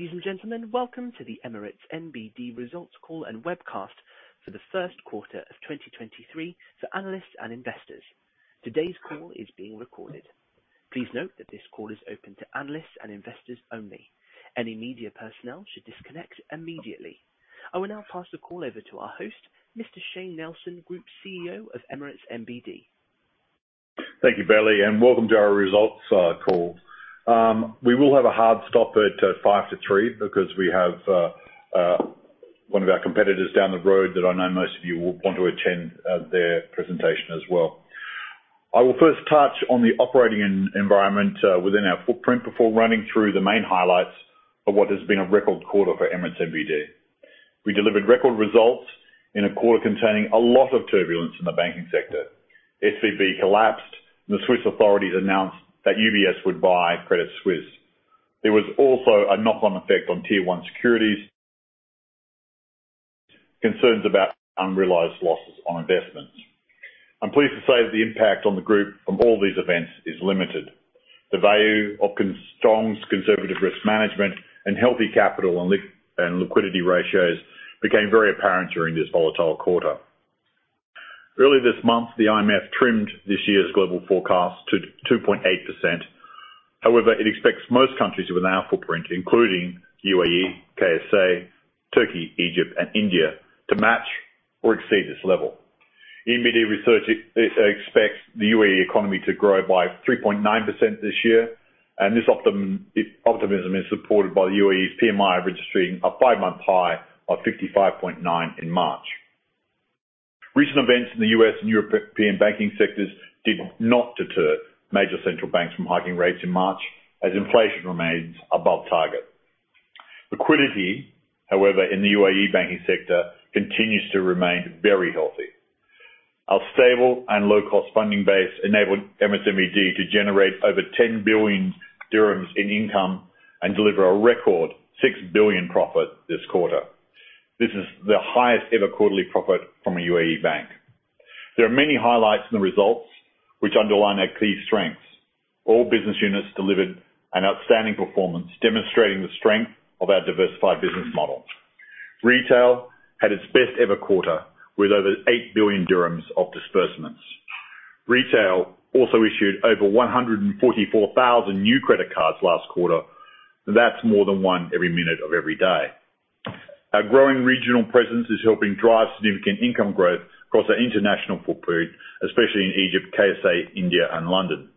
Ladies and gentlemen, welcome to the Emirates NBD results call and webcast for the first quarter of 2023 for analysts and investors. Today's call is being recorded. Please note that this call is open to analysts and investors only. Any media personnel should disconnect immediately. I will now pass the call over to our host, Mr. Shayne Nelson, Group CEO of Emirates NBD. Thank you, Bailey, and welcome to our results call. We will have a hard stop at 2:55 P.M. because we have one of our competitors down the road that I know most of you will want to attend their presentation as well. I will first touch on the operating environment within our footprint before running through the main highlights of what has been a record quarter for Emirates NBD. We delivered record results in a quarter containing a lot of turbulence in the banking sector. SVB collapsed and the Swiss authorities announced that UBS would buy Credit Suisse. There was also a knock-on effect on tier-one securities, concerns about unrealized losses on investments. I'm pleased to say that the impact on the group from all these events is limited. The value of strong conservative risk management and healthy capital and liquidity ratios became very apparent during this volatile quarter. Early this month, the IMF trimmed this year's global forecast to 2.8%. It expects most countries within our footprint, including UAE, KSA, Turkey, Egypt and India, to match or exceed this level. Emirates NBD Research expects the UAE economy to grow by 3.9% this year, this optimism is supported by the UAE's PMI registering a five-month high of 55.9 in March. Recent events in the U.S. and European banking sectors did not deter major central banks from hiking rates in March as inflation remains above target. Liquidity, however, in the UAE banking sector continues to remain very healthy. Our stable and low-cost funding base enabled Emirates NBD to generate over 10 billion dirhams in income and deliver a record 6 billion profit this quarter. This is the highest ever quarterly profit from a UAE bank. There are many highlights in the results which underline our key strengths. All business units delivered an outstanding performance, demonstrating the strength of our diversified business model. Retail had its best ever quarter with over 8 billion dirhams of disbursements. Retail also issued over 144,000 new credit cards last quarter. That's more than one every minute of every day. Our growing regional presence is helping drive significant income growth across our international footprint, especially in Egypt, KSA, India and London.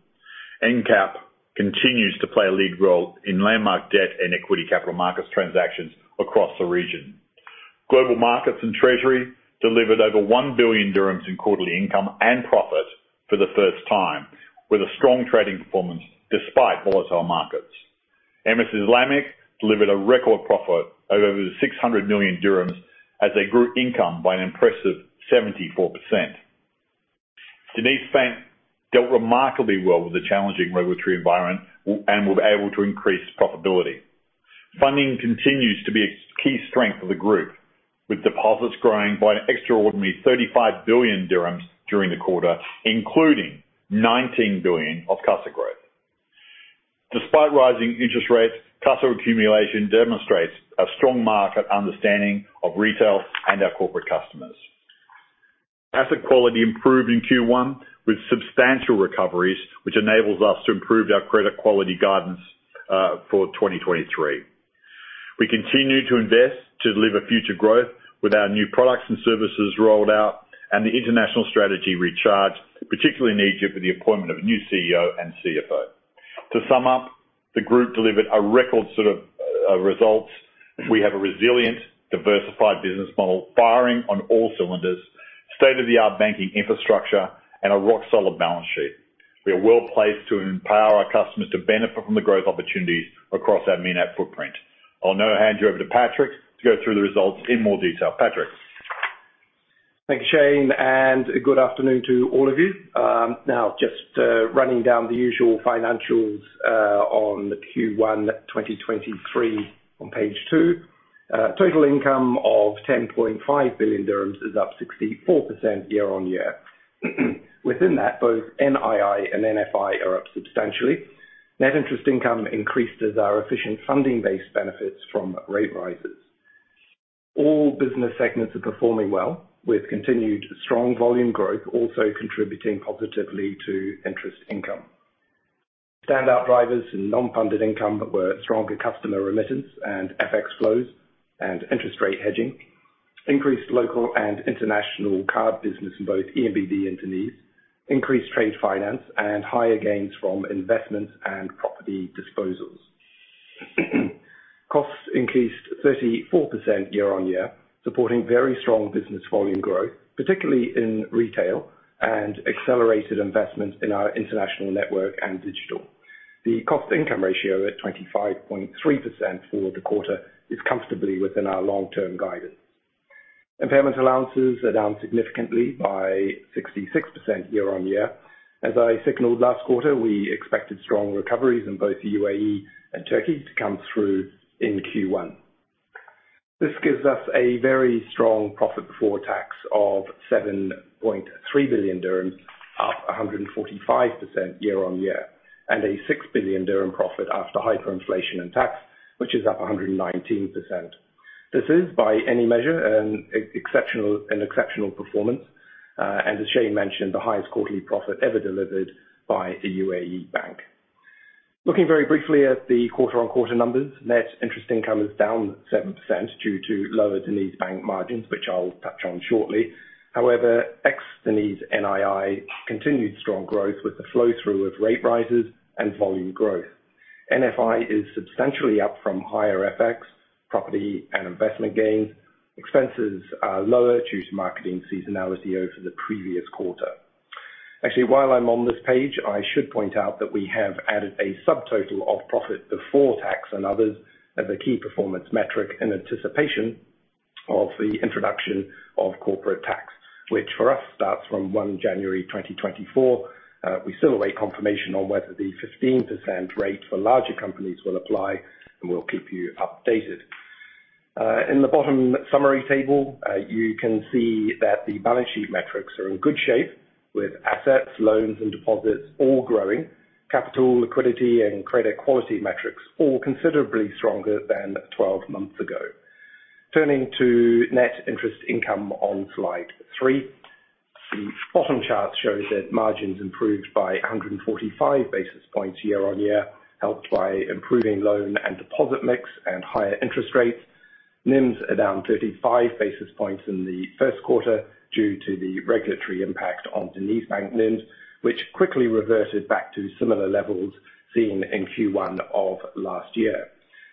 ENCAP continues to play a lead role in landmark debt and equity capital markets transactions across the region. Global markets and Treasury delivered over 1 billion dirhams in quarterly income and profit for the first time, with a strong trading performance despite volatile markets. Emirates Islamic delivered a record profit of over 600 million dirhams as they grew income by an impressive 74%. DenizBank dealt remarkably well with the challenging regulatory environment and was able to increase profitability. Funding continues to be a key strength of the group, with deposits growing by an extraordinary 35 billion dirhams during the quarter, including 19 billion of CASA growth. Despite rising interest rates, CASA accumulation demonstrates a strong market understanding of retail and our corporate customers. Asset quality improved in Q1 with substantial recoveries, which enables us to improve our credit quality guidance for 2023. We continue to invest to deliver future growth with our new products and services rolled out and the international strategy recharged, particularly in Egypt with the appointment of a new CEO and CFO. To sum up, the group delivered a record set of results. We have a resilient, diversified business model firing on all cylinders, state-of-the-art banking infrastructure and a rock-solid balance sheet. We are well placed to empower our customers to benefit from the growth opportunities across our MENAT footprint. I'll now hand you over to Patrick to go through the results in more detail. Patrick. Thank you, Shayne, good afternoon to all of you. Now just running down the usual financials on Q1 2023 on page two. Total income of 10.5 billion dirhams is up 64% year-over-year. Within that, both NII and NFI are up substantially. Net interest income increased as our efficient funding base benefits from rate rises. All business segments are performing well, with continued strong volume growth also contributing positively to interest income. Standout drivers in non-funded income were stronger customer remittance and FX flows and interest rate hedging, increased local and international card business in both ENBD and DenizBank, increased trade finance, and higher gains from investments and property disposals. Costs increased 34% year-over-year, supporting very strong business volume growth, particularly in retail and accelerated investments in our international network and digital. The cost-income ratio at 25.3% for the quarter is comfortably within our long-term guidance. Impairment allowances are down significantly by 66% year-on-year. As I signaled last quarter, we expected strong recoveries in both the UAE and Turkey to come through in Q1. This gives us a very strong profit before tax of 7.3 billion dirhams, up 145% year-on-year, and an 6 billion dirham profit after hyperinflation and tax, which is up 119%. This is by any measure, an exceptional performance, and as Shayne mentioned, the highest quarterly profit ever delivered by a UAE bank. Looking very briefly at the quarter-on-quarter numbers, net interest income is down 7% due to lower DenizBank margins, which I'll touch on shortly. Ex Deniz NII continued strong growth with the flow-through of rate rises and volume growth. NFI is substantially up from higher FX, property and investment gains. Expenses are lower due to marketing seasonality over the previous quarter. Actually, while I'm on this page, I should point out that we have added a subtotal of profit before tax and others as a key performance metric in anticipation of the introduction of corporate tax, which for us starts from January 1, 2024. We still await confirmation on whether the 15% rate for larger companies will apply, and we'll keep you updated. In the bottom summary table, you can see that the balance sheet metrics are in good shape with assets, loans, and deposits all growing. Capital, liquidity, and credit quality metrics all considerably stronger than 12 months ago. Turning to net interest income on slide 3. The bottom chart shows that margins improved by 145 basis points year-on-year, helped by improving loan and deposit mix and higher interest rates. NIMS are down 35 basis points in the first quarter due to the regulatory impact on DenizBank NIMS, which quickly reverted back to similar levels seen in Q1 of last year.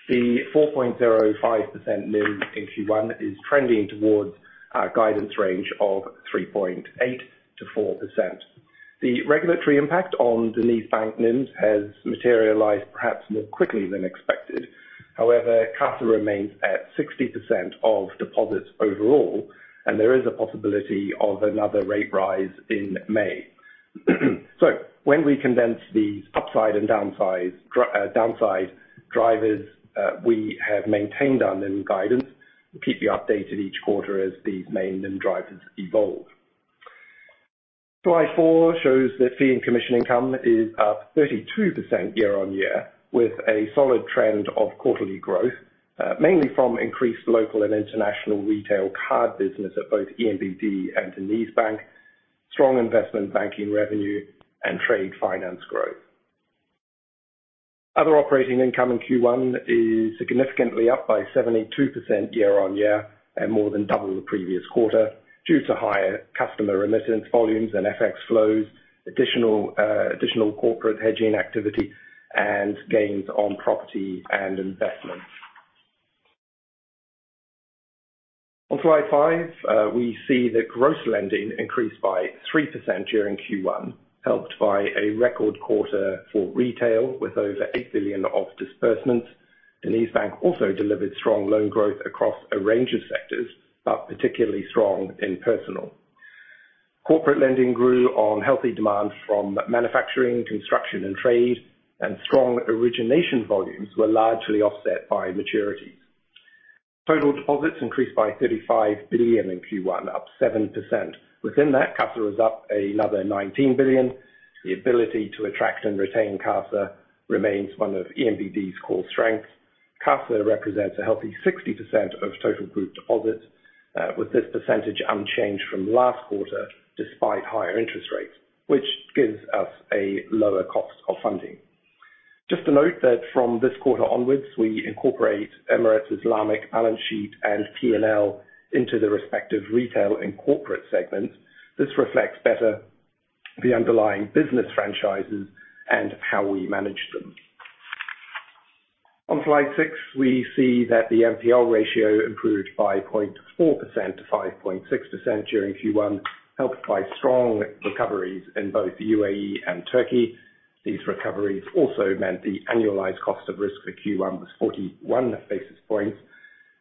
The 4.05% NIM in Q1 is trending towards our guidance range of 3.8%-4%. The regulatory impact on DenizBank NIMS has materialized perhaps more quickly than expected. However, CASA remains at 60% of deposits overall, and there is a possibility of another rate rise in May. When we condense the upside and downside drivers, we have maintained our NIM guidance. We'll keep you updated each quarter as these main NIM drivers evolve. Slide four shows that fee and commission income is up 32% year-on-year, with a solid trend of quarterly growth, mainly from increased local and international retail card business at both ENBD and DenizBank, strong investment banking revenue, and trade finance growth. Other operating income in Q1 is significantly up by 72% year-on-year and more than double the previous quarter due to higher customer remittance volumes and FX flows, additional corporate hedging activity, and gains on property and investments. On slide five, we see that gross lending increased by 3% during Q1, helped by a record quarter for retail with over 8 billion of disbursements. DenizBank also delivered strong loan growth across a range of sectors, but particularly strong in personal. Corporate lending grew on healthy demand from manufacturing, construction, and trade. Strong origination volumes were largely offset by maturities. Total deposits increased by 35 billion in Q1, up 7%. Within that, CASA is up another 19 billion. The ability to attract and retain CASA remains one of ENBD's core strengths. CASA represents a healthy 60% of total group deposits, with this percentage unchanged from last quarter despite higher interest rates, which gives us a lower cost of funding. Just to note that from this quarter onwards, we incorporate Emirates Islamic balance sheet and P&L into the respective retail and corporate segments. This reflects better the underlying business franchises and how we manage them. On slide six, we see that the NPL ratio improved by 0.4%-5.6% during Q1, helped by strong recoveries in both UAE and Turkey. These recoveries also meant the annualized cost of risk for Q1 was 41 basis points,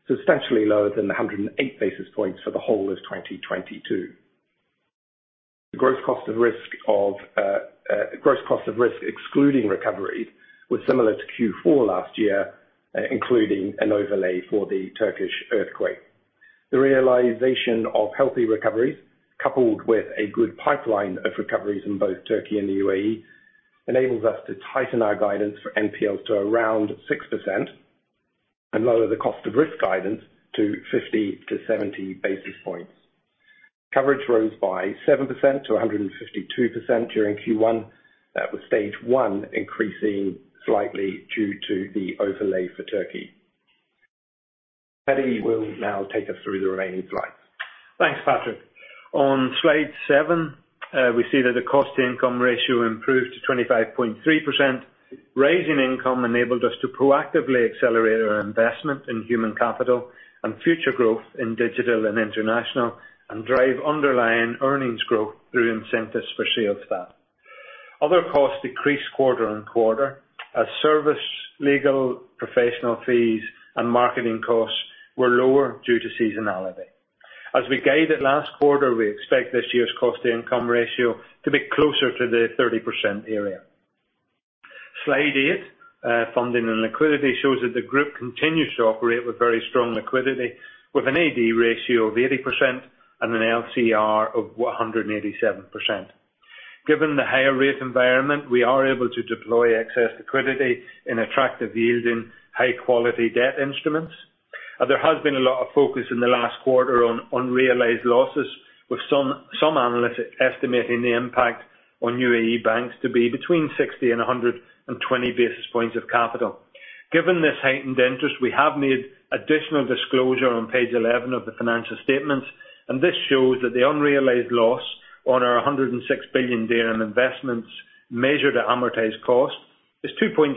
substantially lower than the 108 basis points for the whole of 2022. The gross cost of risk excluding recoveries was similar to Q4 last year, including an overlay for the Turkish earthquake. The realization of healthy recoveries, coupled with a good pipeline of recoveries in both Turkey and the UAE, enables us to tighten our guidance for NPL to around 6% and lower the cost of risk guidance to 50-70 basis points. Coverage rose by 7%-152% during Q1. That was Stage 1, increasing slightly due to the overlay for Turkey. Paddy will now take us through the remaining slides. Thanks, Patrick. On slide seven, we see that the cost-to-income ratio improved to 25.3%. Raising income enabled us to proactively accelerate our investment in human capital and future growth in digital and international, and drive underlying earnings growth through incentives for sales staff. Other costs decreased quarter on quarter as service, legal, professional fees, and marketing costs were lower due to seasonality. As we guided last quarter, we expect this year's cost-to-income ratio to be closer to the 30% area. Slide eight, funding and liquidity shows that the group continues to operate with very strong liquidity with an AD ratio of 80% and an LCR of 187%. Given the higher rate environment, we are able to deploy excess liquidity in attractive yielding high-quality debt instruments. There has been a lot of focus in the last quarter on unrealized losses, with some analysts estimating the impact on UAE banks to be between 60 and 120 basis points of capital. Given this heightened interest, we have made additional disclosure on page 11 of the financial statements. This shows that the unrealized loss on our 106 billion dirham investments measured at amortized cost is 2.66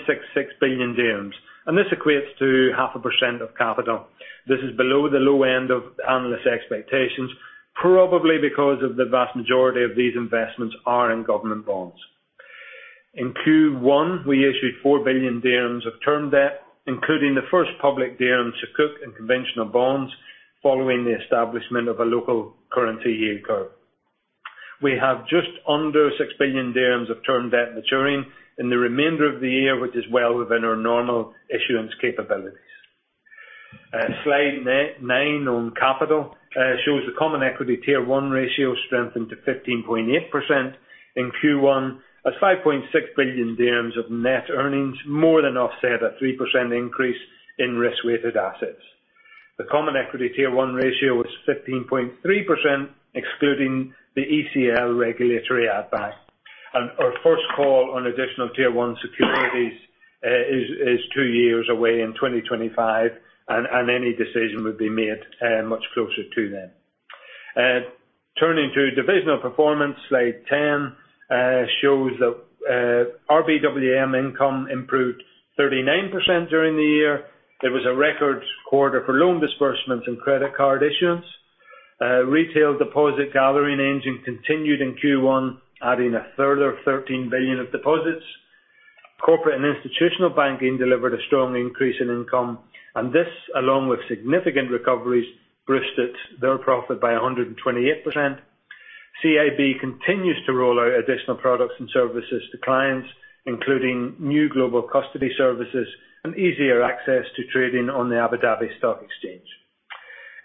billion dirhams. This equates to half a % of capital. This is below the low end of analysts' expectations, probably because of the vast majority of these investments are in government bonds. In Q1, we issued 4 billion dirhams of term debt, including the first public dirham sukuk and conventional bonds following the establishment of a local currency yield curve. We have just under 6 billion dirhams of term debt maturing in the remainder of the year, which is well within our normal issuance capabilities. Slide nine on capital shows the Common Equity Tier 1 ratio strengthened to 15.8% in Q1 as 5.6 billion dirhams of net earnings more than offset a 3% increase in risk-weighted assets. The Common Equity Tier 1 ratio is 15.3%, excluding the ECL regulatory add-back. Our first call on Additional Tier 1 securities is two years away in 2025 and any decision would be made much closer to then. Turning to divisional performance, Slide 10 shows that RBWM income improved 39% during the year. There was a record quarter for loan disbursements and credit card issuance. Retail deposit gathering engine continued in Q1, adding a further 13 billion of deposits. Corporate and institutional banking delivered a strong increase in income, and this, along with significant recoveries, boosted their profit by 128%. CIB continues to roll out additional products and services to clients, including new global custody services and easier access to trading on the Abu Dhabi Securities Exchange.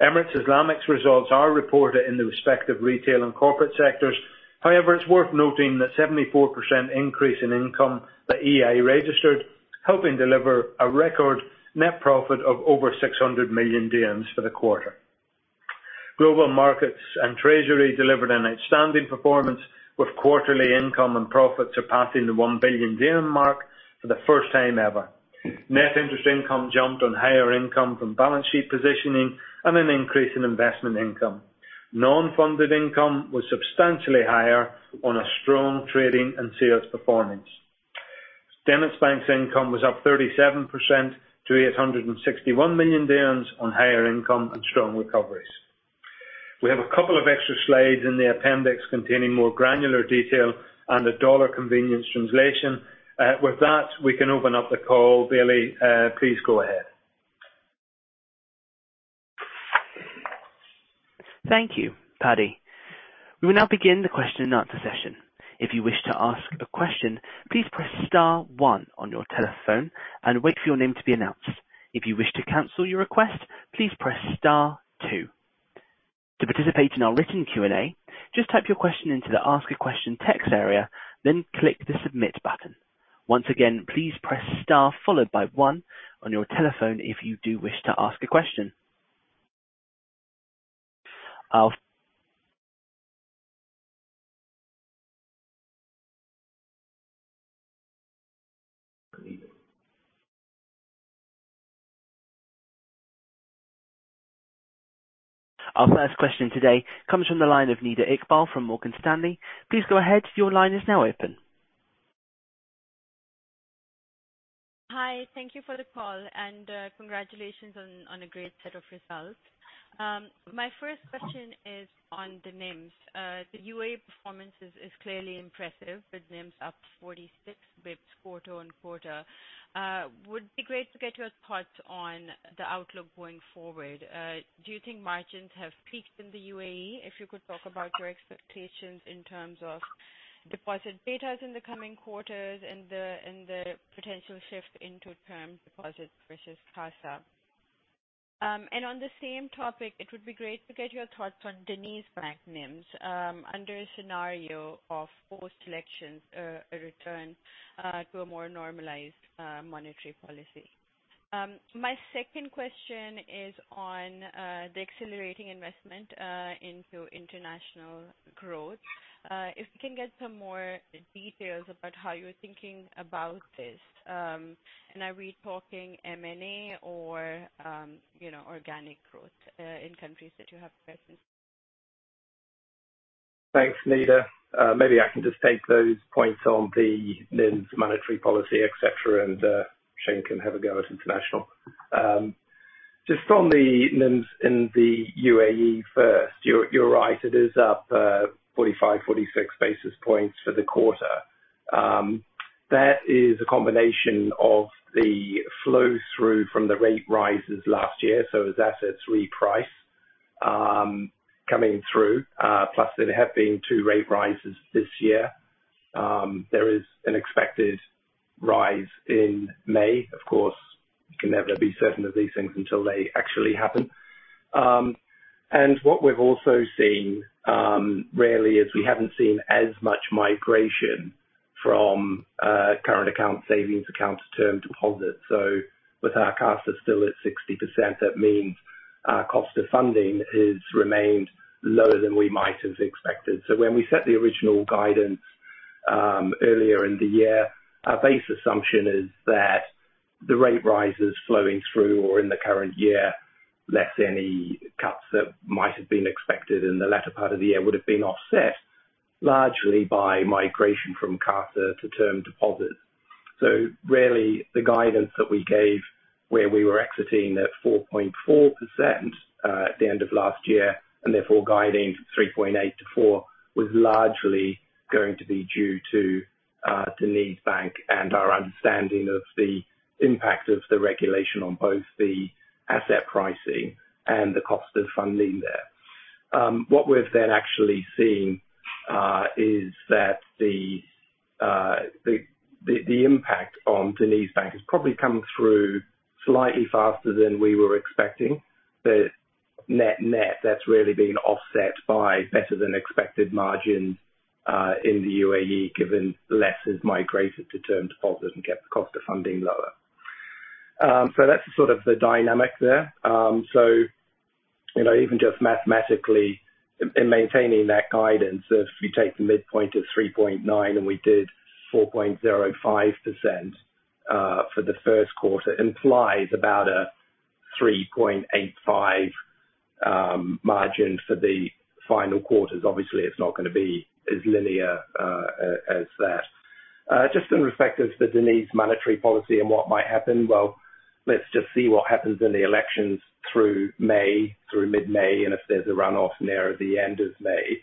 Emirates Islamic's results are reported in the respective retail and corporate sectors. However, it's worth noting that 74% increase in income that EI registered, helping deliver a record net profit of over 600 million for the quarter. Global markets and treasury delivered an outstanding performance, with quarterly income and profits surpassing the 1 billion mark for the first time ever. Net interest income jumped on higher income from balance sheet positioning and an increase in investment income. Non-funded income was substantially higher on a strong trading and sales performance. DenizBank's income was up 37% to 861 million dirhams on higher income and strong recoveries. We have a couple of extra slides in the appendix containing more granular detail and a dollar convenience translation. With that, we can open up the call. Bailey, please go ahead. Thank you, Paddy. We will now begin the question and answer session. If you wish to ask a question, please press star one your telephone and wait for your name to be announced. If you wish to cancel your request, please press star two. To participate in our written Q&A, just type your question into the 'Ask a Question' text area, then click the Submit button. Once again, please press star followed by one on your telephone if you do wish to ask a question. Our first question today comes from the line of Nida Iqbal from Morgan Stanley. Please go ahead, your line is now open. Hi. Thank you for the call, congratulations on a great set of results. My first question is on the NIMS. The UAE performance is clearly impressive with NIMS up 46 bps quarter-on-quarter. Would be great to get your thoughts on the outlook going forward. Do you think margins have peaked in the UAE? If you could talk about your expectations in terms of deposit betas in the coming quarters and the potential shift into term deposits versus CASA. On the same topic, it would be great to get your thoughts on DenizBank NIMS under a scenario of post-elections return to a more normalized monetary policy. My second question is on the accelerating investment into international growth. If we can get some more details about how you're thinking about this? Are we talking M&A or, you know, organic growth, in countries that you have presence? Thanks, Nida. Maybe I can just take those points on the NIMS monetary policy, et cetera, and Shayne can have a go at international. Just from the NIMS in the UAE first, you're right, it is up 45, 46 basis points for the quarter. That is a combination of the flow-through from the rate rises last year, so as assets reprice Coming through. Plus there have been two rate rises this year. There is an expected rise in May. Of course, you can never be certain of these things until they actually happen. What we've also seen, rarely is we haven't seen as much migration from current account savings account to term deposits. With our CASA still at 60%, that means our cost of funding is remained lower than we might have expected. When we set the original guidance, earlier in the year, our base assumption is that the rate rises flowing through or in the current year, less any cuts that might have been expected in the latter part of the year, would have been offset largely by migration from CASA to term deposits. Rarely, the guidance that we gave where we were exiting at 4.4% at the end of last year, and therefore guiding from 3.8%-4%, was largely going to be due to DenizBank and our understanding of the impact of the regulation on both the asset pricing and the cost of funding there. What we've then actually seen is that the impact on DenizBank has probably come through slightly faster than we were expecting. The net-net, that's really been offset by better than expected margin in the UAE, given less has migrated to term deposits and kept the cost of funding lower. That's sort of the dynamic there. You know, even just mathematically in maintaining that guidance, if you take the midpoint of 3.9%, and we did 4.05% for the first quarter, implies about a 3.85% margin for the final quarters. Obviously, it's not gonna be as linear as that. Just in respect of the Deniz monetary policy and what might happen, let's just see what happens in the elections through May, through mid-May, and if there's a runoff there at the end of May.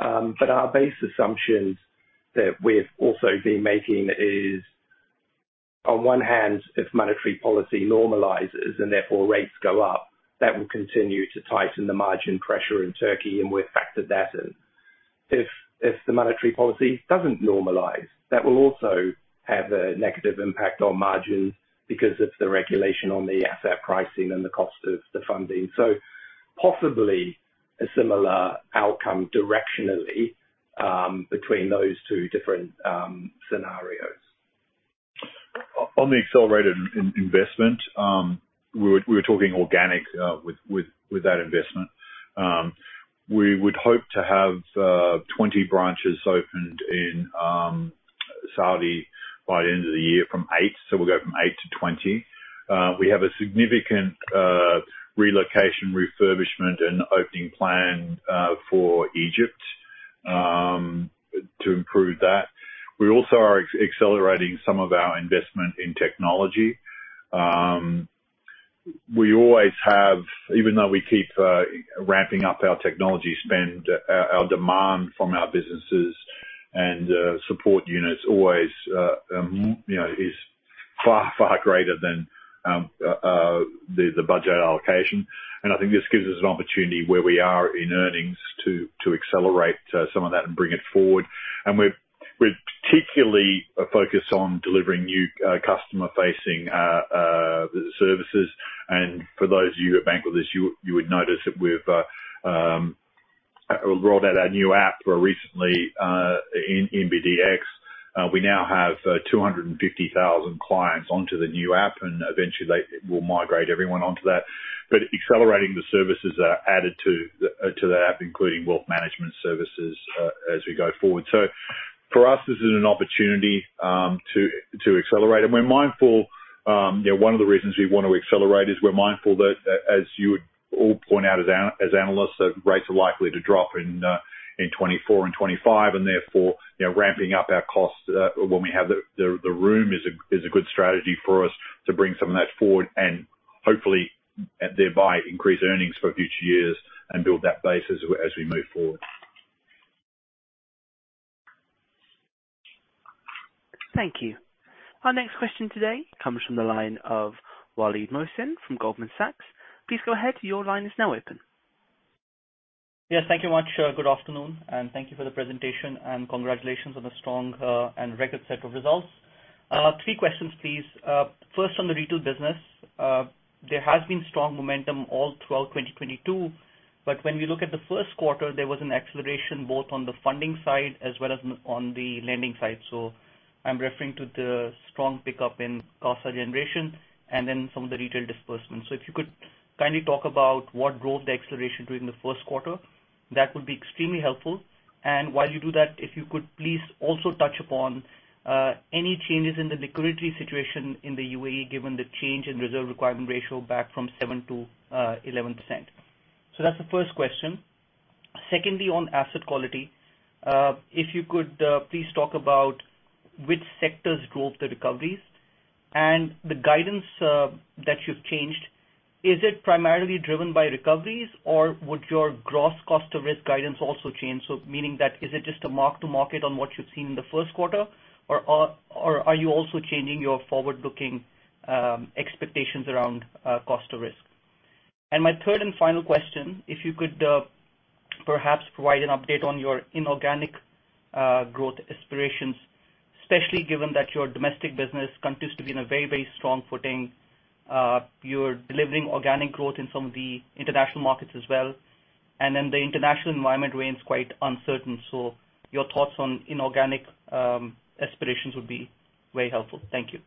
Our base assumptions that we've also been making is, on one hand, if monetary policy normalizes and therefore rates go up, that will continue to tighten the margin pressure in Turkey, and we've factored that in. If the monetary policy doesn't normalize, that will also have a negative impact on margins because of the regulation on the asset pricing and the cost of the funding. Possibly a similar outcome directionally between those two different scenarios. On the accelerated investment, we were talking organic with that investment. We would hope to have 20 branches opened in Saudi by the end of the year from 8 branches. We'll go from 8 to 20 branches. We have a significant relocation refurbishment and opening plan for Egypt to improve that. We also are accelerating some of our investment in technology. We always have... even though we keep ramping up our technology spend, our demand from our businesses and support units always, you know, is far, far greater than the budget allocation. I think this gives us an opportunity where we are in earnings to accelerate some of that and bring it forward. We're particularly focused on delivering new customer facing services. For those of you in banking, you would notice that we've rolled out our new app recently, ENBD X. We now have 250,000 clients onto the new app, and eventually they will migrate everyone onto that. Accelerating the services are added to that app, including wealth management services, as we go forward. For us, this is an opportunity to accelerate. We're mindful, you know, one of the reasons we wanna accelerate is we're mindful that, as you would all point out as analysts, that rates are likely to drop in 2024 and 2025. Therefore, you know, ramping up our costs, when we have the room is a good strategy for us to bring some of that forward and hopefully thereby increase earnings for future years and build that base as we move forward. Thank you. Our next question today comes from the line of Waleed Mohsin from Goldman Sachs. Please go ahead. Your line is now open. Yes, thank you much. good afternoon, and thank you for the presentation, and congratulations on the strong and record set of results. three questions, please. first on the retail business. there has been strong momentum all throughout 2022, but when we look at the first quarter, there was an acceleration both on the funding side as well as on the lending side. I'm referring to the strong pickup in CASA generation and then some of the retail disbursements. if you could kindly talk about what drove the acceleration during the first quarter, that would be extremely helpful. while you do that, if you could please also touch upon any changes in the liquidity situation in the UAE, given the change in reserve requirement ratio back from seven to 11%. that's the first question. Secondly, on asset quality, if you could, please talk about which sectors drove the recoveries. The guidance, that you've changed, is it primarily driven by recoveries, or would your gross cost of risk guidance also change? Meaning that is it just a mark to market on what you've seen in the first quarter or are you also changing your forward-looking expectations around cost of risk? My third and final question, if you could, perhaps provide an update on your inorganic growth aspirations, especially given that your domestic business continues to be in a very, very strong footing. You're delivering organic growth in some of the international markets as well, and then the international environment remains quite uncertain. Your thoughts on inorganic aspirations would be very helpful. Thank you.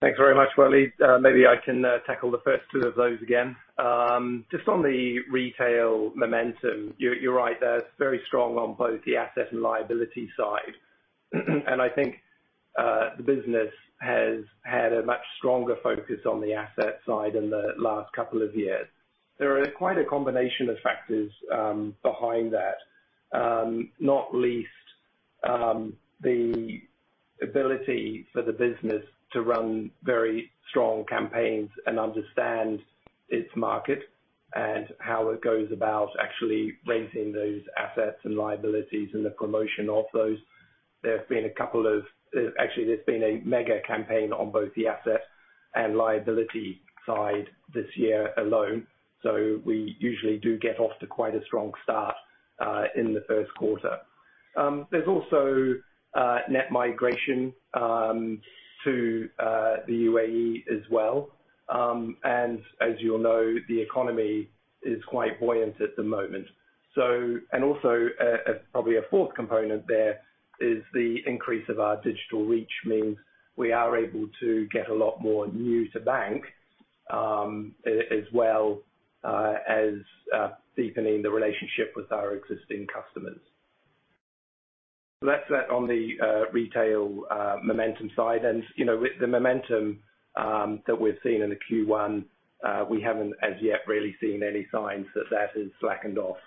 Thanks very much, Waleed. Maybe I can tackle the first two of those again. Just on the retail momentum, you're right. They're very strong on both the asset and liability side. I think the business has had a much stronger focus on the asset side in the last couple of years. There are quite a combination of factors behind that. Not least, the ability for the business to run very strong campaigns and understand its market and how it goes about actually raising those assets and liabilities and the promotion of those. Actually, there's been a mega campaign on both the asset and liability side this year alone, so we usually do get off to quite a strong start in the first quarter. There's also net migration to the UAE as well. As you'll know, the economy is quite buoyant at the moment. Also, probably a fourth component there is the increase of our digital reach means we are able to get a lot more new to bank as well, as deepening the relationship with our existing customers. That's that on the retail momentum side. You know, with the momentum that we've seen in the Q1, we haven't as yet really seen any signs that that has slackened off.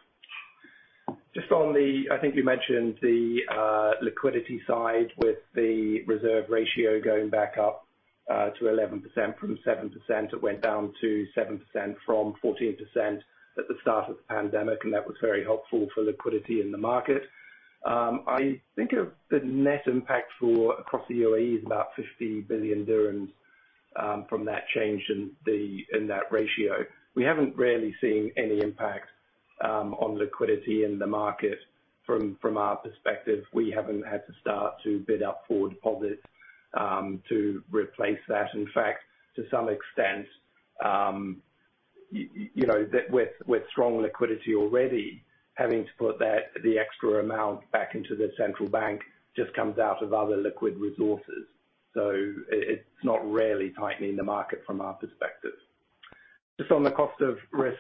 I think you mentioned the liquidity side with the reserve ratio going back up to 11% from 7%. It went down to 7% from 14% at the start of the pandemic, and that was very helpful for liquidity in the market. I think of the net impact for across the UAE is about 50 billion dirhams from that change in that ratio. We haven't really seen any impact on liquidity in the market from our perspective. We haven't had to start to bid up for deposits to replace that. In fact, to some extent, you know, with strong liquidity already, having to put the extra amount back into the central bank just comes out of other liquid resources. It's not really tightening the market from our perspective. Just on the cost of risk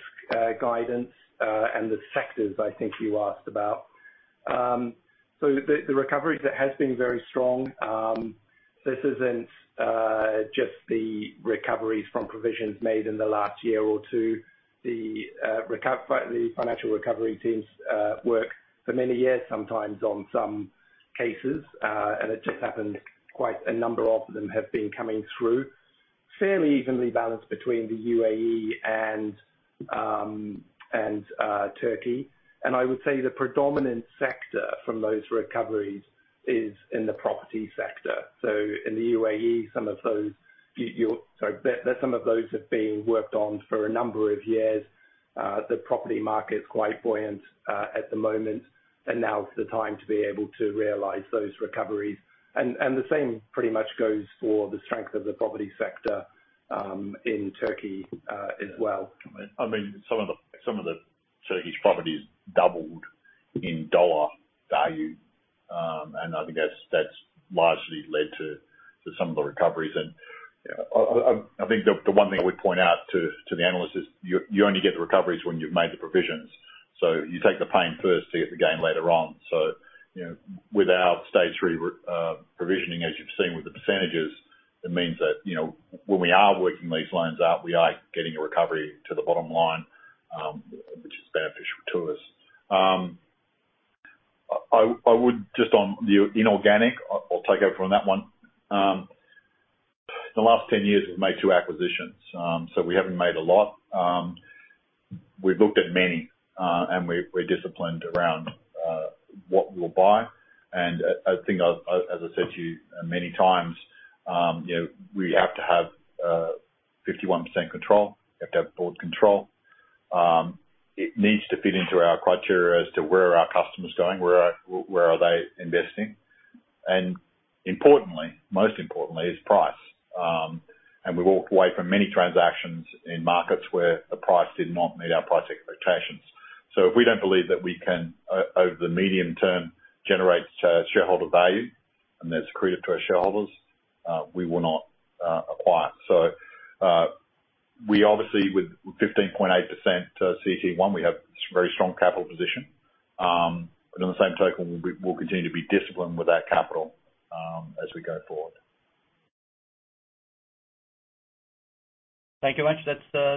guidance and the sectors I think you asked about. The recovery has been very strong. This isn't just the recoveries from provisions made in the last year or two. The financial recovery teams work for many years, sometimes on some cases, and it just happened quite a number of them have been coming through fairly evenly balanced between the UAE and Turkey. I would say the predominant sector from those recoveries is in the property sector. In the UAE, some of those. Sorry. That some of those have been worked on for a number of years. The property market is quite buoyant at the moment, and now's the time to be able to realize those recoveries. The same pretty much goes for the strength of the property sector in Turkey as well. I mean, some of the Turkish properties doubled in dollar value. I think that's largely led to some of the recoveries. I think the one thing I would point out to the analysts is you only get the recoveries when you've made the provisions. You take the pain first, see if the gain later on. You know, without Stage 3 provisioning, as you've seen with the percentages, it means that, you know, when we are working these loans out, we are getting a recovery to the bottom line, which is beneficial to us. I would just on the inorganic, I'll take over on that one. The last 10 years, we've made two acquisitions. We haven't made a lot. We've looked at many, we're disciplined around what we'll buy. I think as I said to you many times, you know, we have to have 51% control. We have to have board control. It needs to fit into our criteria as to where are our customers going, where are they investing. Importantly, most importantly, is price. We've walked away from many transactions in markets where the price did not meet our price expectations. If we don't believe that we can over the medium term generate shareholder value and that's accretive to our shareholders, we will not acquire. We obviously with 15.8% CET1, we have very strong capital position. On the same token, we'll continue to be disciplined with that capital as we go forward. Thank you very much.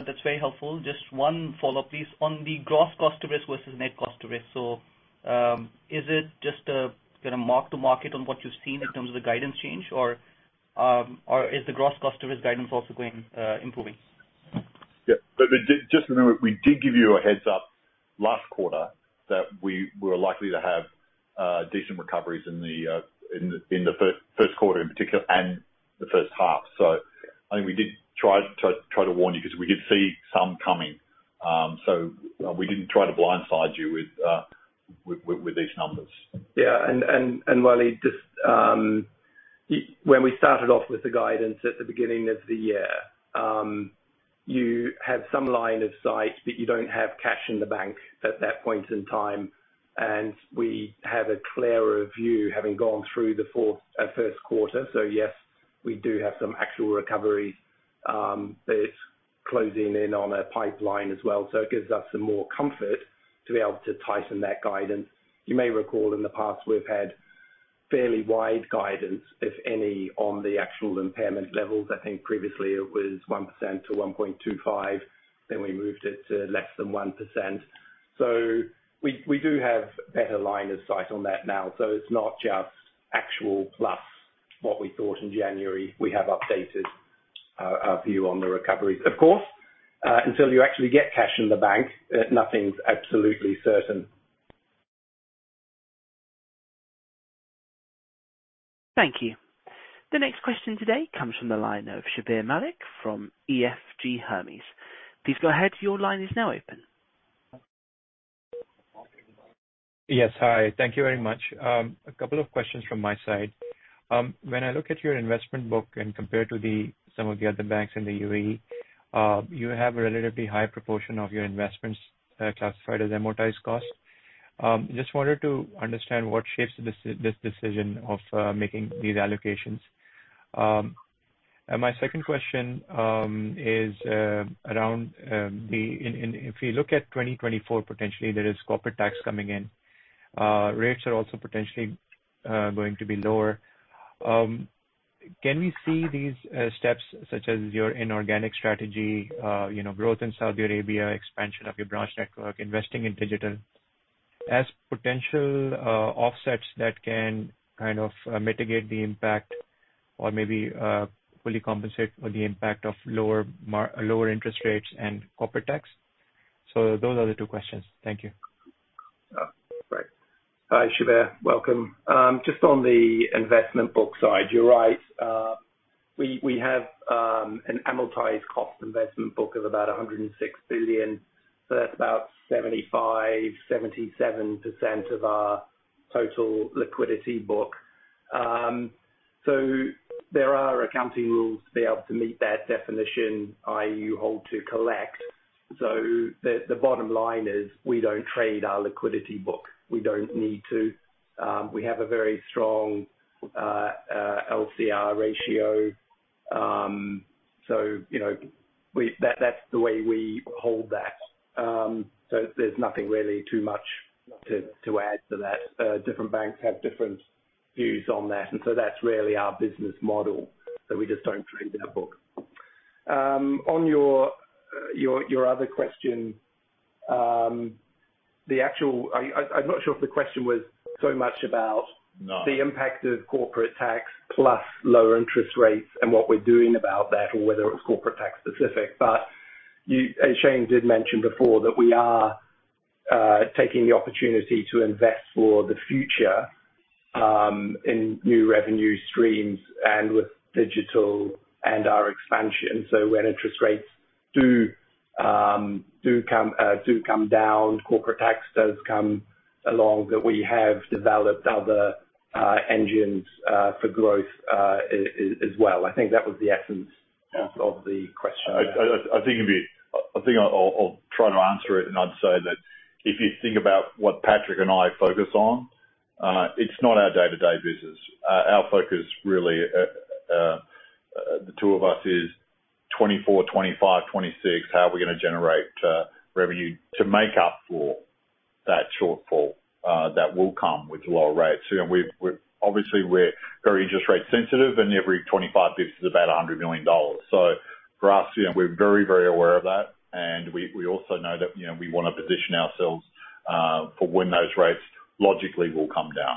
That's very helpful. Just one follow-up, please. On the gross cost of risk versus net cost of risk. Is it just a kind of mark to market on what you've seen in terms of the guidance change or is the gross cost of risk guidance also going, improving? Just to know, we did give you a heads up last quarter that we were likely to have decent recoveries in the first quarter in particular and the first half. I think we did try to warn you because we could see some coming. We didn't try to blindside you with these numbers. Yeah. Wally just, when we started off with the guidance at the beginning of the year, you have some line of sight, but you don't have cash in the bank at that point in time, and we have a clearer view having gone through the first quarter. Yes, we do have some actual recoveries that it's closing in on a pipeline as well. It gives us some more comfort to be able to tighten that guidance. You may recall in the past we've had fairly wide guidance, if any, on the actual impairment levels. I think previously it was 1%-1.25%, then we moved it to less than 1%. We do have better line of sight on that now. It's not just actual plus what we thought in January. We have updated our view on the recoveries. Of course, until you actually get cash in the bank, nothing's absolutely certain. Thank you. The next question today comes from the line of Shabbir Malik from EFG Hermes. Please go ahead. Your line is now open. Yes. Hi. Thank you very much. A couple of questions from my side. When I look at your investment book and compare to the some of the other banks in the UAE, you have a relatively high proportion of your investments classified as amortized cost. Just wanted to understand what shapes this decision of making these allocations. My second question. If you look at 2024, potentially there is corporate tax coming in. Rates are also potentially going to be lower. Can we see these steps such as your inorganic strategy, you know, growth in Saudi Arabia, expansion of your branch network, investing in digital as potential offsets that can kind of mitigate the impact or maybe fully compensate for the impact of lower interest rates and corporate tax? Those are the two questions. Thank you. Great. Hi, Shabbir. Welcome. Just on the investment book side, you're right. We have an amortized cost investment book of about 106 billion. That's about 75%-77% of our total liquidity book. There are accounting rules to be able to meet that definition, i.e., you hold to collect. The bottom line is we don't trade our liquidity book. We don't need to. We have a very strong LCR ratio. You know, that's the way we hold that. There's nothing really too much to add to that. Different banks have different views on that's really our business model. We just don't trade our book. On your other question, the actual... I'm not sure if the question was so much. No the impact of corporate tax plus lower interest rates and what we're doing about that or whether it was corporate tax specific. As Shayne did mention before, that we are taking the opportunity to invest for the future, in new revenue streams and with digital and our expansion. When interest rates do come down, corporate tax does come along, that we have developed other engines for growth as well. I think that was the essence of the question. I think I'll try to answer it. I'd say that if you think about what Patrick and I focus on, it's not our day-to-day business. Our focus really, the two of us is 24 bps, 25 bps, 26 bps, how are we going to generate revenue to make up for that shortfall, that will come with lower rates. You know, Obviously, we're very interest rate sensitive, and every 25 bps is about $100 million. For us, you know, we're very, very aware of that. We also know that, you know, we want to position ourselves for when those rates logically will come down.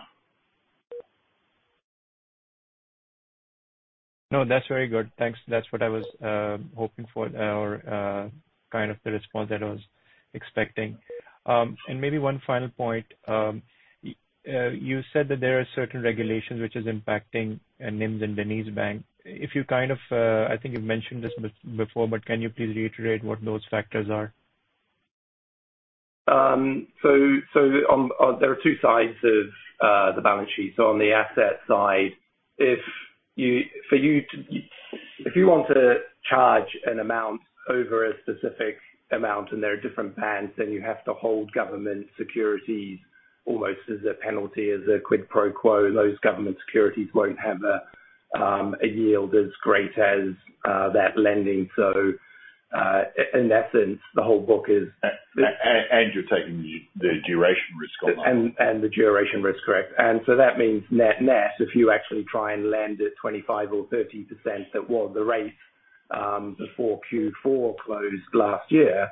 No, that's very good. Thanks. That's what I was hoping for or kind of the response that I was expecting. Maybe one final point. You said that there are certain regulations which is impacting NIMS and DenizBank. If you kind of, I think you've mentioned this before, but can you please reiterate what those factors are? There are two sides of the balance sheet. On the asset side, if you want to charge an amount over a specific amount and there are different bands, then you have to hold government securities almost as a penalty, as a quid pro quo. Those government securities won't have a yield as great as that lending. In essence, the whole book is. You're taking the duration risk on that. The duration risk. Correct. That means net-net, if you actually try and lend at 25% or 30% that was the rate, before Q4 closed last year,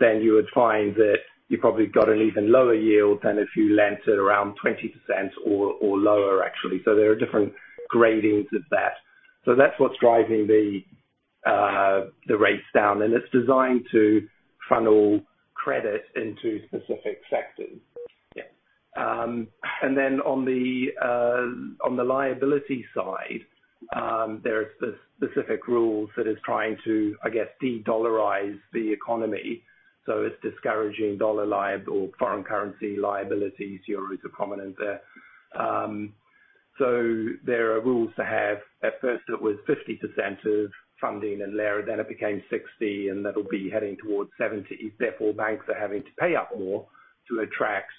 then you would find that you probably got an even lower yield than if you lent at around 20% or lower actually. There are different gradings of that. That's what's driving the rates down, and it's designed to funnel credit into specific sectors. Yeah. On the liability side, there's the specific rules that is trying to, I guess, de-dollarize the economy. It's discouraging dollar liabilities or foreign currency liabilities. Euros are prominent there. There are rules to have. At first, it was 50% of funding and Lira. It became 60%, and that'll be heading towards 70%. Therefore, banks are having to pay up more to attract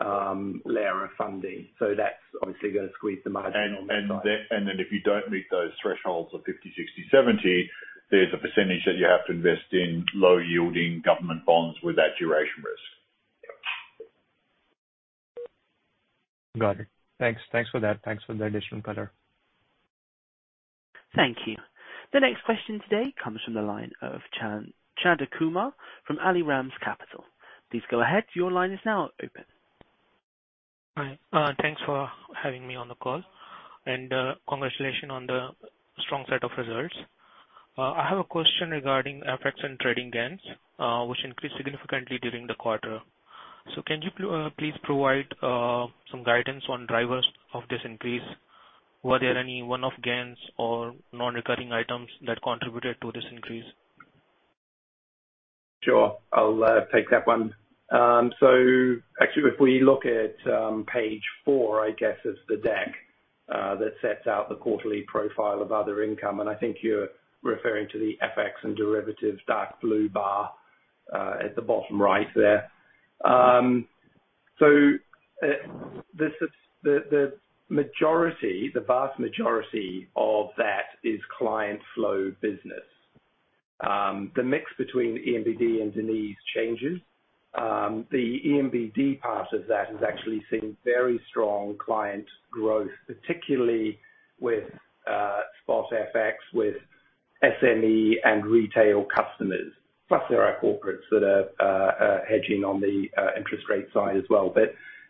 Lira of funding. That's obviously gonna squeeze the margin on that side. If you don't meet those thresholds of 50%, 60%, 70%, there's a percentage that you have to invest in low-yielding government bonds with that duration risk. Yeah. Got it. Thanks. Thanks for that. Thanks for the additional color. Thank you. The next question today comes from the line of Chander Kumar from Al Ramz Capital. Please go ahead. Your line is now open. Hi, thanks for having me on the call. Congratulations on the strong set of results. I have a question regarding effects on trading gains, which increased significantly during the quarter. Can you please provide some guidance on drivers of this increase? Were there any one-off gains or non-recurring items that contributed to this increase? Sure. I'll take that one. Actually, if we look at page four, I guess, is the deck that sets out the quarterly profile of other income. I think you're referring to the FX and derivatives, dark blue bar, at the bottom right there. The majority, the vast majority of that is client flow business. The mix between ENBD and Deniz changes. The ENBD part of that has actually seen very strong client growth, particularly with spot FX with SME and retail customers. Plus, there are corporates that are hedging on the interest rate side as well.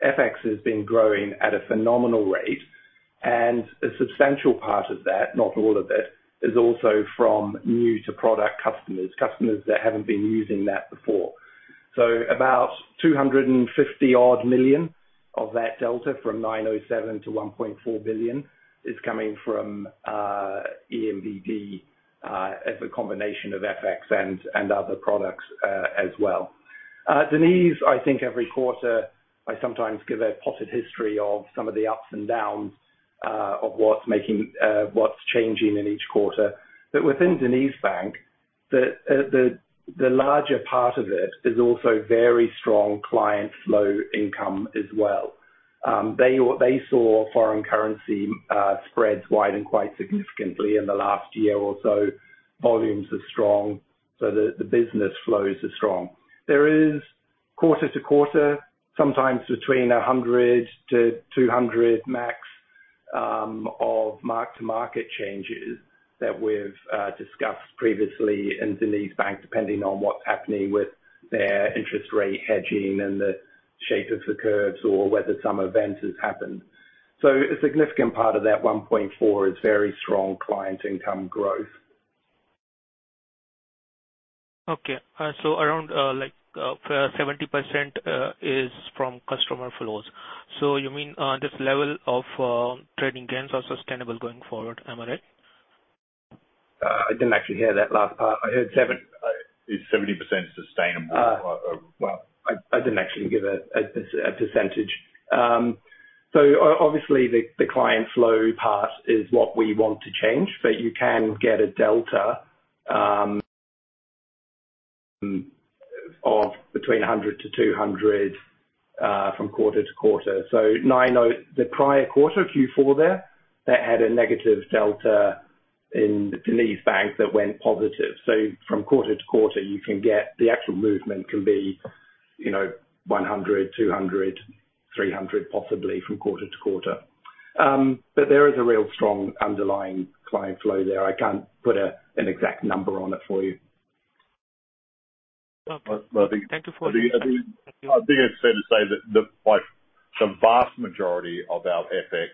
FX has been growing at a phenomenal rate. A substantial part of that, not all of it, is also from new to product customers. Customers that haven't been using that before. About 250 million odd of that delta from 907 million to 1.4 billion is coming from ENBD as a combination of FX and other products as well. Deniz, I think every quarter, I sometimes give a potted history of some of the ups and downs of what's changing in each quarter. Within DenizBank, the larger part of it is also very strong client flow income as well. They saw foreign currency spreads widen quite significantly in the last year or so. Volumes are strong, so the business flows are strong. There is quarter-to-quarter, sometimes between 100 million- 200 million max, of mark-to-market changes that we've discussed previously in DenizBank, depending on what's happening with their interest rate hedging and the shape of the curves or whether some event has happened. A significant part of that 1.4 billion is very strong client income growth. Okay. Around, like, 70% is from customer flows. You mean, this level of trading gains are sustainable going forward, am I right? I didn't actually hear that last part. I heard seven... Is 70% sustainable? Or... Well, I didn't actually give a percentage. Obviously, the client flow part is what we want to change, but you can get a delta of between 100 million- 200 million from quarter-to-quarter. 90 million, the prior quarter, Q4 there, that had a negative delta in DenizBank that went positive. From quarter-to-quarter, you can get. The actual movement can be, you know, 100 million, 200 million, 300 million, possibly from quarter-to-quarter. There is a real strong underlying client flow there. I can't put an exact number on it for you. Well, thank you. I think it's fair to say that the, like, the vast majority of our FX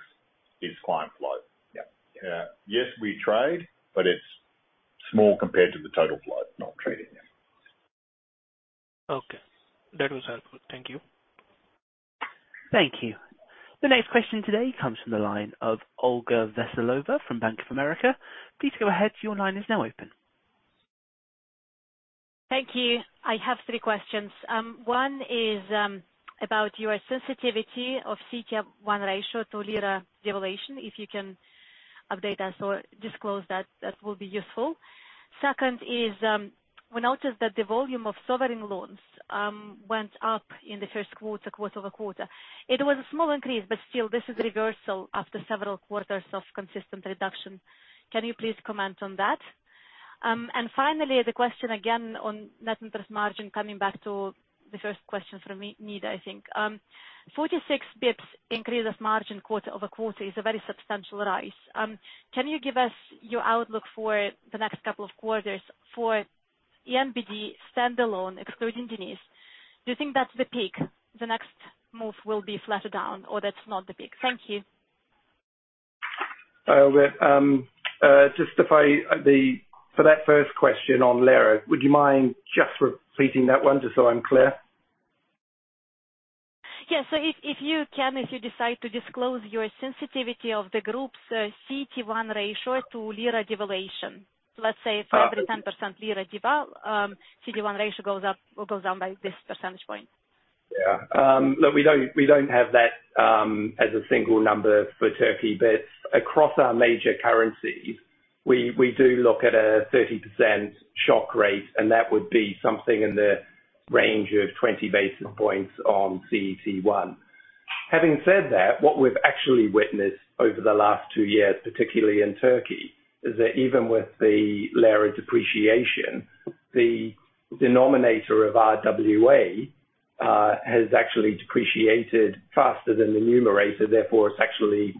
is client flow. Yeah. Yes, we trade, but it's small compared to the total flow, not trading. Yeah. Okay. That was helpful. Thank you. Thank you. The next question today comes from the line of Olga Veselova from Bank of America. Please go ahead. Your line is now open. Thank you. I have three questions. One is about your sensitivity of CET1 ratio to Lira devaluation. If you can update us or disclose that will be useful. Second is, we noticed that the volume of sovereign loans went up in the first quarter-over-quarter. It was a small increase, but still, this is reversal after several quarters of consistent reduction. Can you please comment on that? Finally, the question again on net interest margin, coming back to the first question from Nida, I think. 46 basis points increase of margin quarter-over-quarter is a very substantial rise. Can you give us your outlook for the next couple of quarters for ENBD standalone, excluding DenizBank? Do you think that's the peak, the next move will be flatter down, or that's not the peak? Thank you. We're just for that first question on Lira, would you mind just repeating that one just so I'm clear? Yeah. If you can, if you decide to disclose your sensitivity of the group's CET1 ratio to Lira devaluation. Let's say if 5%-10% Lira deval, CET1 ratio goes up or goes down by this percentage point. Yeah. Look, we don't, we don't have that as a single number for Turkey. Across our major currencies, we do look at a 30% shock rate, and that would be something in the range of 20 basis points on CET1. Having said that, what we've actually witnessed over the last two years, particularly in Turkey, is that even with the Lira depreciation, the denominator of RWA has actually depreciated faster than the numerator. Therefore, it's actually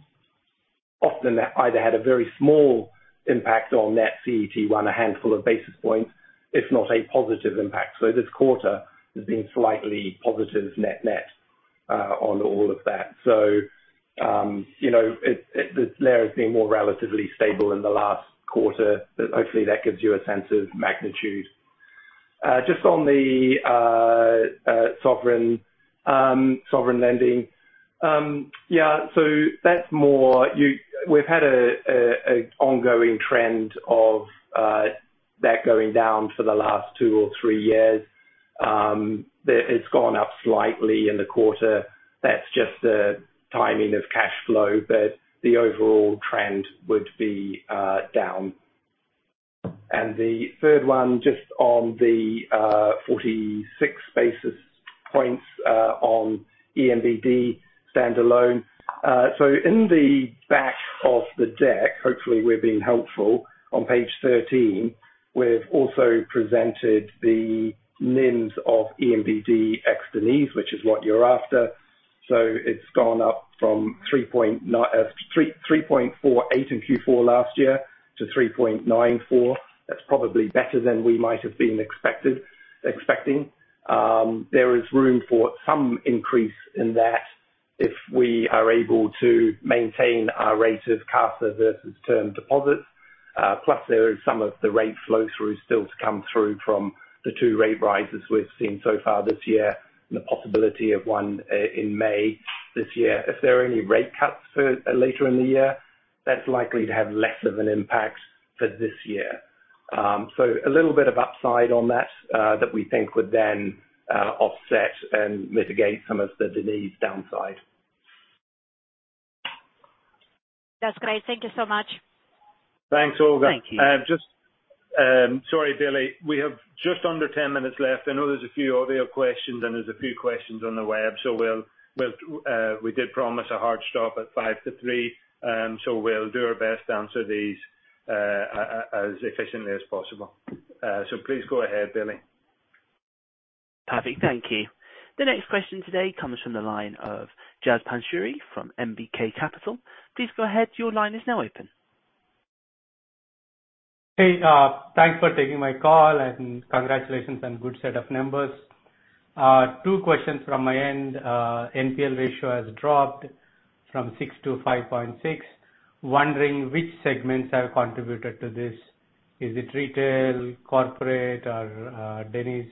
often either had a very small impact on net CET1, a handful of basis points, if not a positive impact. This quarter has been slightly positive net net on all of that. You know, the Lira's been more relatively stable in the last quarter, but hopefully that gives you a sense of magnitude. Just on the sovereign lending. That's more we've had a ongoing trend of that going down for the last two or three years. It's gone up slightly in the quarter. That's just a timing of cash flow. The overall trend would be down. The third one just on the 46 basis points on ENBD standalone. In the back of the deck, hopefully we're being helpful. On page 13, we've also presented the NIMs of ENBD ex DenizBank, which is what you're after. It's gone up from 3.48% in Q4 last year to 3.94%. That's probably better than we might have been expected. There is room for some increase in that if we are able to maintain our rate of CASA versus term deposits. Plus there is some of the rate flow through still to come through from the 2 rate rises we've seen so far this year and the possibility of one in May this year. If there are any rate cuts for later in the year, that's likely to have less of an impact for this year. A little bit of upside on that we think would then offset and mitigate some of the DenizBank downside. That's great. Thank you so much. Thanks, Olga. Thank you. Just, sorry, Billy. We have just under 10 minutes left. I know there's a few audio questions, and there's a few questions on the web. We'll, we did promise a hard stop at 5 minutes to 3 minutes. We'll do our best to answer these as efficiently as possible. Please go ahead, Billy. Perfect. Thank you. The next question today comes from the line of Jazz Pasunoori from NBK Capital. Please go ahead. Your line is now open. Hey, thanks for taking my call, congratulations on good set of numbers. Two questions from my end. NPL ratio has dropped from 6% to 5.6%. Wondering which segments have contributed to this. Is it retail, corporate or DenizBank?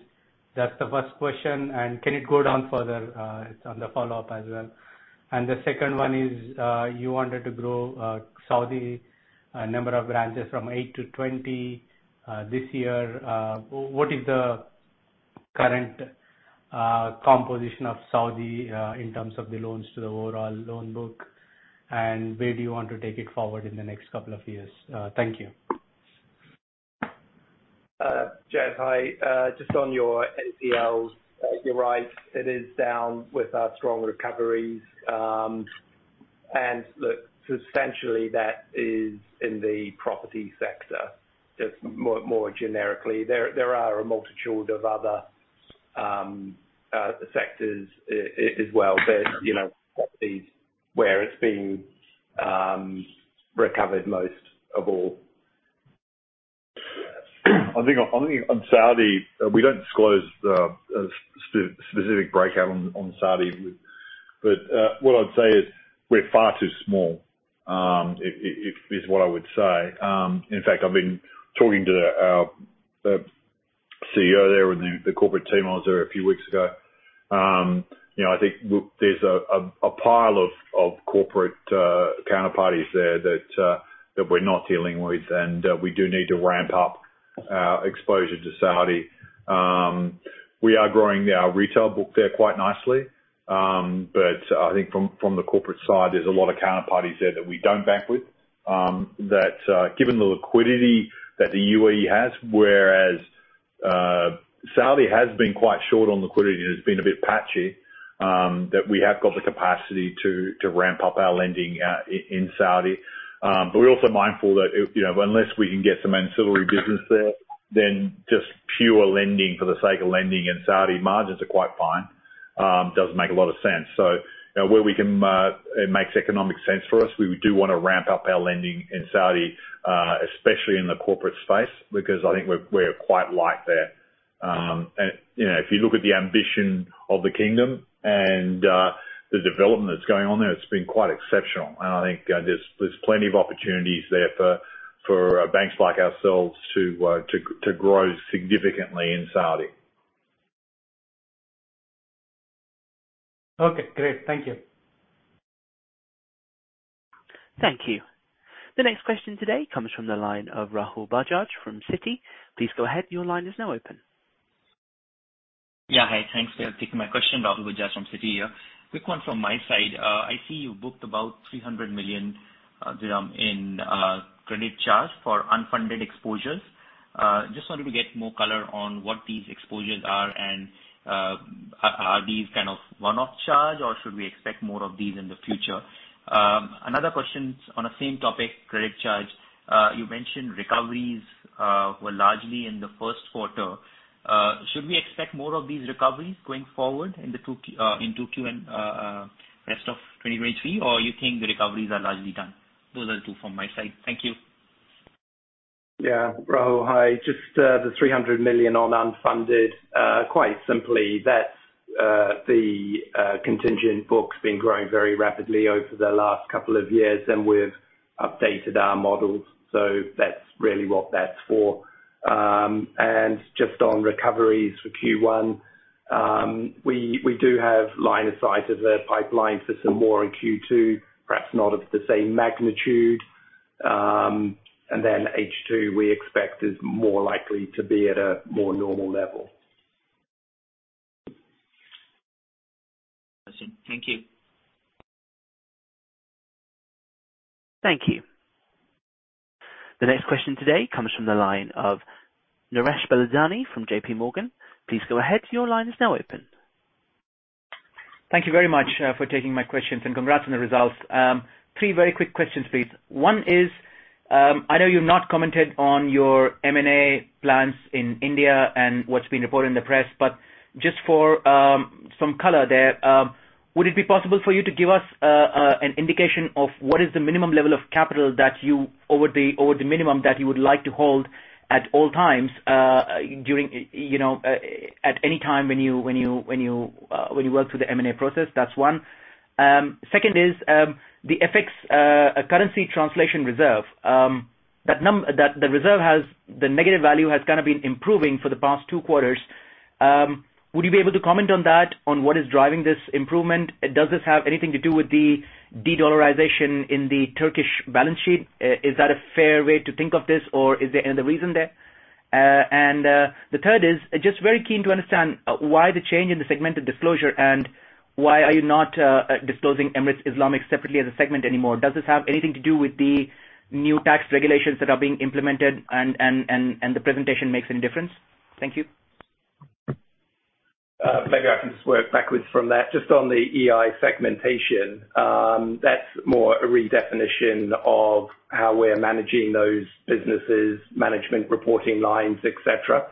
That's the first question. Can it go down further? It's on the follow-up as well. The second one is, you wanted to grow Saudi number of branches from 8 to 20 this year. What is the current composition of Saudi in terms of the loans to the overall loan book? Where do you want to take it forward in the next couple of years? Thank you. Jas, hi. Just on your NPLs, you're right, it is down with our strong recoveries. Look, substantially that is in the property sector. Just more generically. There are a multitude of other sectors as well, but, you know, properties where it's been recovered most of all. I think on Saudi, we don't disclose the specific breakout on Saudi. What I'd say is we're far too small, if is what I would say. In fact, I've been talking to our CEO there and the corporate team. I was there a few weeks ago. You know, I think there's a pile of corporate counterparties there that we're not dealing with, and we do need to ramp up our exposure to Saudi. We are growing our retail book there quite nicely. I think from the corporate side, there's a lot of counterparties there that we don't bank with, that given the liquidity that the UAE has, whereas Saudi has been quite short on liquidity and has been a bit patchy, that we have got the capacity to ramp up our lending in Saudi. We're also mindful that if, you know, unless we can get some ancillary business there, then just pure lending for the sake of lending in Saudi, margins are quite fine, doesn't make a lot of sense. Where we can, you know, it makes economic sense for us, we do wanna ramp up our lending in Saudi, especially in the corporate space, because I think we're quite light there. You know, if you look at the ambition of the kingdom and the development that's going on there, it's been quite exceptional. I think there's plenty of opportunities there for banks like ourselves to grow significantly in Saudi. Okay, great. Thank you. Thank you. The next question today comes from the line of Rahul Bajaj from Citi. Please go ahead. Your line is now open. Yeah. Hi. Thanks for taking my question. Rahul Bajaj from Citi here. Quick one from my side. I see you booked about 300 million dirham in credit charge for unfunded exposures. Just wanted to get more color on what these exposures are and are these kind of one-off charge or should we expect more of these in the future? Another question on the same topic, credit charge. You mentioned recoveries were largely in the first quarter. Should we expect more of these recoveries going forward in Q2 and rest of 2023 or you think the recoveries are largely done? Those are two from my side. Thank you. Yeah. Rahul, hi. Just, the $300 million on unfunded. Quite simply, that's the contingent book's been growing very rapidly over the last couple of years, and we've updated our models. That's really what that's for. Just on recoveries for Q1, we do have line of sight of the pipeline for some more in Q2, perhaps not of the same magnitude. H2, we expect is more likely to be at a more normal level. Thank you. Thank you. The next question today comes from the line of Naresh Bilandani from JPMorgan. Please go ahead. Your line is now open. Thank you very much for taking my questions. Congrats on the results. Three very quick questions please. One is, I know you've not commented on your M&A plans in India and what's been reported in the press, but just for some color there, would it be possible for you to give us an indication of what is the minimum level of capital that you or the minimum that you would like to hold at all times during, you know, at any time when you work through the M&A process? That's one. Second is, the FX currency translation reserve. That, the reserve has the negative value has kind of been improving for the past two quarters. Would you be able to comment on that, on what is driving this improvement? Does this have anything to do with the de-dollarization in the Turkish balance sheet? Is that a fair way to think of this? Or is there any other reason there? The third is just very keen to understand why the change in the segmented disclosure and why are you not disclosing Emirates Islamic separately as a segment anymore? Does this have anything to do with the new tax regulations that are being implemented and the presentation makes any difference? Thank you. Maybe I can just work backwards from that. Just on the EI segmentation, that's more a redefinition of how we're managing those businesses, management reporting lines, et cetera.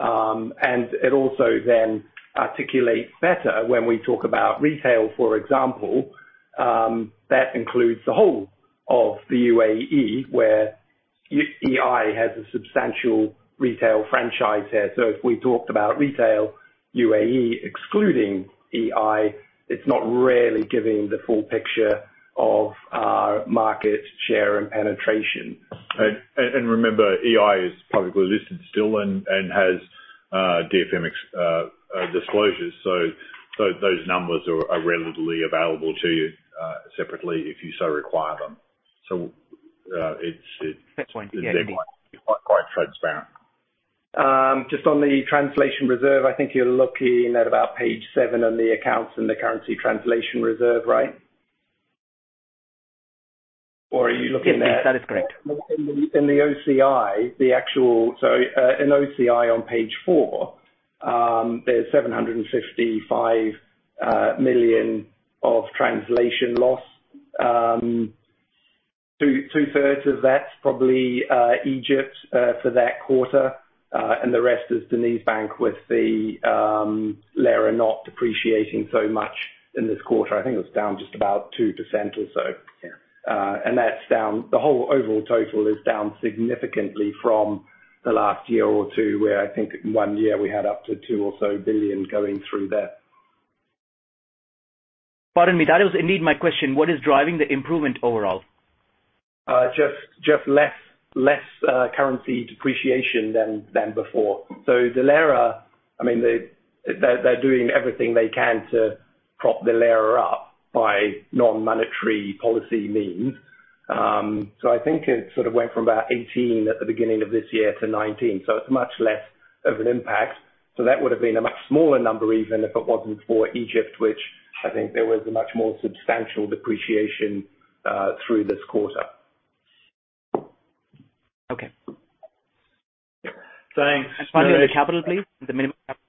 It also then articulates better when we talk about retail, for example, that includes the whole of the UAE, where EI has a substantial retail franchise there. If we talked about retail UAE excluding EI, it's not really giving the full picture of our market share and penetration. Remember, EI is publicly listed still and has DFM disclosures. Those numbers are readily available to you separately if you so require them. It's. That's fine. Yeah. They're quite transparent. Just on the translation reserve, I think you're looking at about page seven on the accounts and the currency translation reserve, right? Yes. Yes, that is correct. In OCI on page four, there's 755 million of translation loss. 2/3 of that's probably Egypt for that quarter. The rest is DenizBank with the Lira not depreciating so much in this quarter. I think it was down just about 2% or so. Yeah. The whole overall total is down significantly from the last year or two, where I think in one year we had up to 2 billion or so going through there. Pardon me. That was indeed my question. What is driving the improvement overall? Just, just less, less currency depreciation than before. The Lira, I mean, they're doing everything they can to prop the Lira up by non-monetary policy means. I think it sort of went from about 18 at the beginning of this year to 19. It's much less of an impact. That would have been a much smaller number even if it wasn't for Egypt, which I think there was a much more substantial depreciation through this quarter. Okay. Thanks. Finally, on the capital, please. The minimum capital.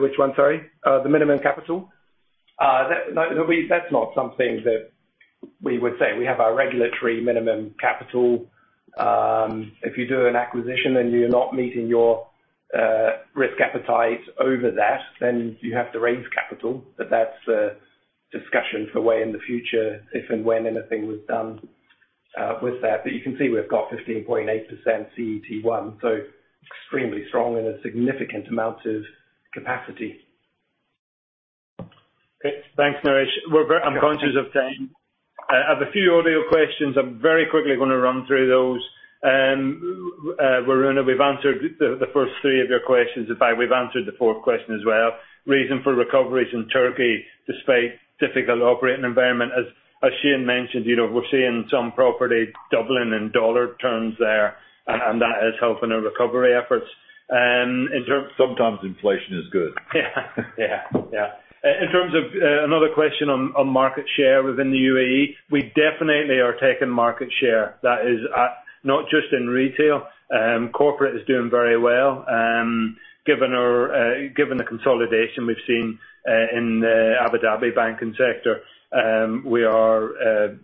Which one, sorry? The minimum capital? No, no, that's not something that we would say. We have our regulatory minimum capital. If you do an acquisition and you're not meeting your risk appetite over that, then you have to raise capital. That's. Discussion for way in the future, if and when anything was done with that. You can see we've got 15.8% CET1, extremely strong and a significant amount of capacity. Okay. Thanks, Naresh. I'm conscious of time. I have a few audio questions. I'm very quickly gonna run through those. Varuna, we've answered the first three of your questions. In fact, we've answered the fourth question as well. Reason for recoveries in Turkey despite difficult operating environment. As Shayne mentioned, you know, we're seeing some property doubling in dollar terms there, and that is helping the recovery efforts. Sometimes inflation is good. Yeah. In terms of another question on market share within the UAE, we definitely are taking market share that is at... Not just in retail. Corporate is doing very well, given our given the consolidation we've seen in the Abu Dhabi banking sector, we are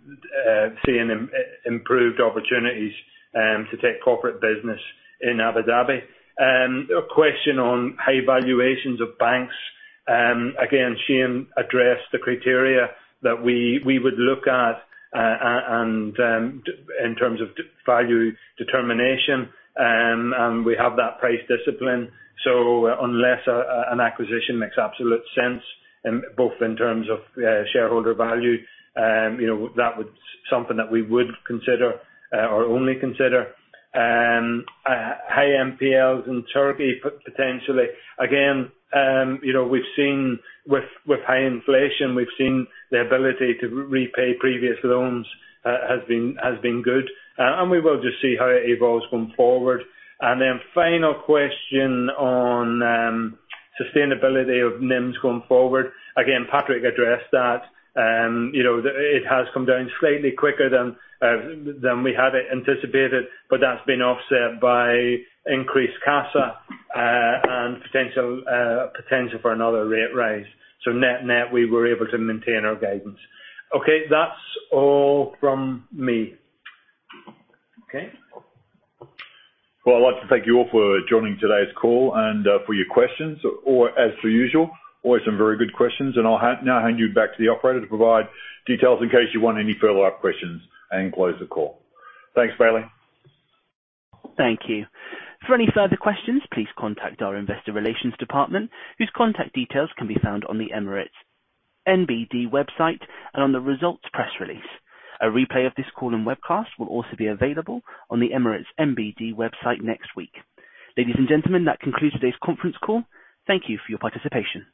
seeing improved opportunities to take corporate business in Abu Dhabi. A question on high valuations of banks. Again, Shayne addressed the criteria that we would look at and in terms of value determination. We have that price discipline. Unless an acquisition makes absolute sense, both in terms of shareholder value, you know, that would something that we would consider or only consider. High NPLs in Turkey potentially. Again, you know, we've seen with high inflation, we've seen the ability to repay previous loans has been good. We will just see how it evolves going forward. Final question on sustainability of NIMs going forward. Again, Patrick addressed that. You know, it has come down slightly quicker than we had anticipated, but that's been offset by increased CASA and potential for another rate rise. Net-net, we were able to maintain our guidance. Okay, that's all from me. Okay. Well, I'd like to thank you all for joining today's call and for your questions. As per usual, always some very good questions, and I'll now hand you back to the operator to provide details in case you want any follow-up questions and close the call. Thanks, Bailey. Thank you. For any further questions, please contact our investor relations department, whose contact details can be found on the Emirates NBD website and on the results press release. A replay of this call and webcast will also be available on the Emirates NBD website next week. Ladies and gentlemen, that concludes today's conference call. Thank you for your participation.